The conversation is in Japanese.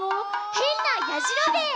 へんなやじろべえ」